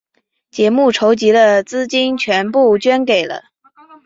节目筹集的资金全部捐献给了。